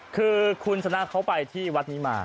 คือคุณชนะเขาไปที่วัดนี้มา